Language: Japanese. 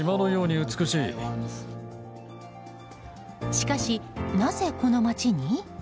しかし、なぜこの町に？